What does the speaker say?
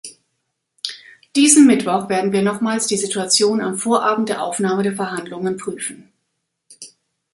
Diesen Mittwoch werden wir nochmals die Situation am Vorabend der Aufnahme der Verhandlungen prüfen.